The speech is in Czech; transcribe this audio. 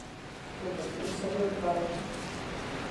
V klubu působil dva roky.